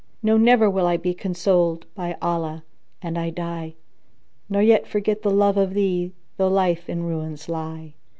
No, never will I be consoled, by Allah, an I die, * Nor yet forget the love of thee though life in ruins lie!"